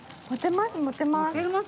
持てます